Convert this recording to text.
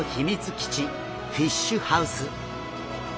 基地フィッシュハウス。